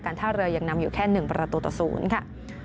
ท่าเรือยังนำอยู่แค่๑ประตูต่อ๐ค่ะ